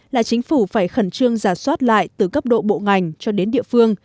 là chính phủ phải khẩn trương giả soát lại từ cấp độ bộ ngành cho đến địa phương